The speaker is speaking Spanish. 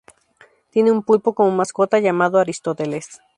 Tiene un pulpo como mascota llamado Aristóteles.